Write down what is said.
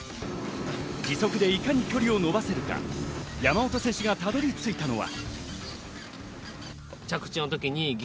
義足でいかに距離を伸ばせるか、山本選手がたどり着いたのは。